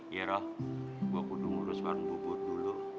iya roh gue kudu ngurus warung bubur dulu